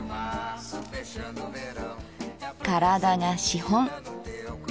体が資本。